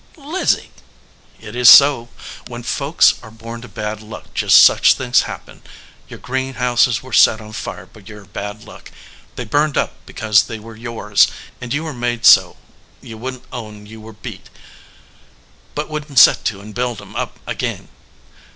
"Lizzie!" "It is so. When folks are born to bad luck just such things happen. Your greenhouses were set on fire by your bad luck. They burned up because 248 THE SOLDIER MAN they were yours, and you were made so you wouldn t own you were beat, but would set to and build em up again.